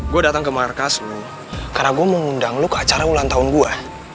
gua datang ke markas lu karena gua mau ngundang lu ke acara ulang tahun gua